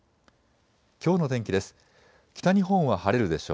きょうの天気です。